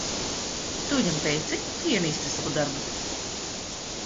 Tu viņam teici, ka ienīsti savu darbu?